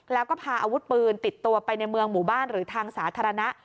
แล้วก็พาอาวุธปืนติดตัวไปในเมืองหมู่บ้านหรือทางสาธารณะ